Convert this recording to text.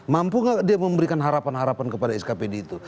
mampu nggak dia memberikan harapan harapan kepada skpd itu